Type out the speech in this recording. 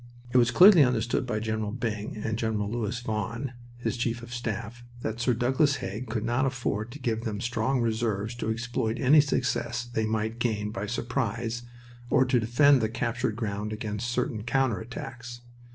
It was clearly understood by General Byng and Gen. Louis Vaughan, his chief of staff, that Sir Douglas Haig could not afford to give them strong reserves to exploit any success they might gain by surprise or to defend the captured ground against certain counter attacks.